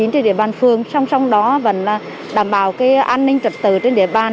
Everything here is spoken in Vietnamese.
trên địa bàn phương song song đó vẫn đảm bảo an ninh trật tự trên địa bàn